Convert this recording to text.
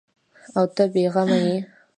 او ته بې غمه یې ؟